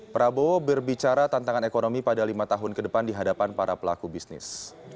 prabowo berbicara tantangan ekonomi pada lima tahun ke depan di hadapan para pelaku bisnis